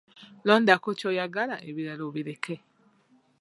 Londako ky'oyagala ebirala obireke.